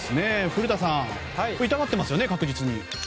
古田さん、痛がっていますよね確実に。